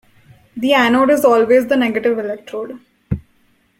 The anode is always the negative electrode.